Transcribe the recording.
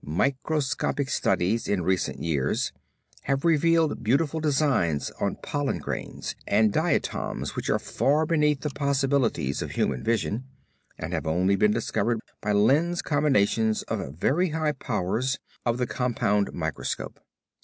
Microscopic studies in recent years have revealed beautiful designs on pollen grains and diatoms which are far beneath the possibilities of human vision, and have only been discovered by lens combinations of very high powers of the compound microscope.